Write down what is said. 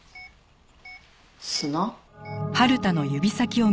砂？